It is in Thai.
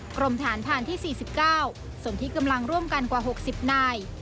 กรมฐานผ่านที่๔๙ส่วนที่กำลังร่วมกันกว่า๖๐นาย